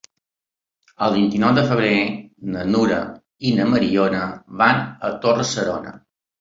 El vint-i-nou de febrer na Nura i na Mariona van a Torre-serona.